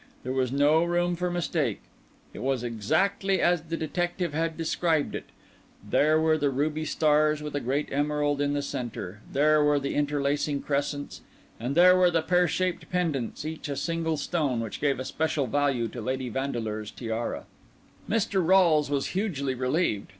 There was no room for mistake; it was exactly as the detective had described it; there were the ruby stars, with a great emerald in the centre; there were the interlacing crescents; and there were the pear shaped pendants, each a single stone, which gave a special value to Lady Vandeleur's tiara. Mr. Rolles was hugely relieved.